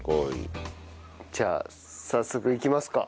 じゃあ早速いきますか。